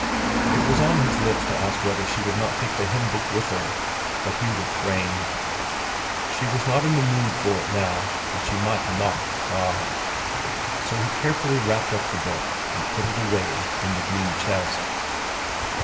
It was on his lips to ask whether she would not take the hymn book with her, but he refrained. She was not in the mood for it now, and she might mock God; so he carefully wrapped up the book and put it away in the green chest.